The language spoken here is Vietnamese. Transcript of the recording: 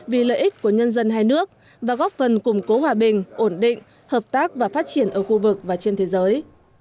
vì lợi ích của nhân dân hai nước và góp phần củng cố hòa bình ổn định hợp tác và phát triển ở khu vực và trên thế giới